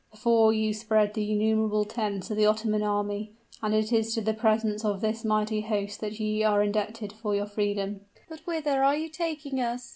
Before you spread the innumerable tents of the Ottoman army; and it is to the presence of this mighty host that ye are indebted for your freedom." "But whither are you taking us?"